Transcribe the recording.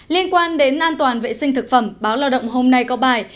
liên quan đến an toàn vệ sinh thực phẩm báo lao động hôm nay có bài